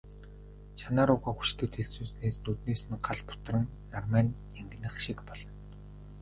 Шанаа руугаа хүчтэй дэлсүүлснээс нүднээс нь гал бутран, нармай нь янгинах шиг болно.